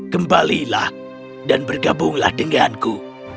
kembalilah dan bergabunglah denganku